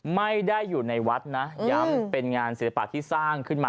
ไม่ได้อยู่ในวัดนะย้ำเป็นงานศิลปะที่สร้างขึ้นมา